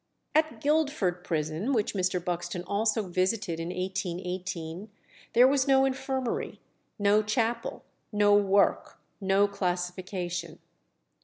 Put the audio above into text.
At Guildford prison, which Mr. Buxton also visited in 1818, there was no infirmary, no chapel, no work, no classification.